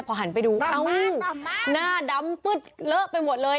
พอหันไปดูเอ้าหน้าดำปึ๊ดเลอะไปหมดเลย